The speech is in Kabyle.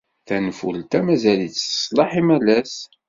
Tanfult-a mazal-itt teṣleḥ imalas.